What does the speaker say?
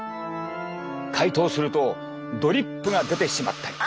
解凍するとドリップが出てしまったり。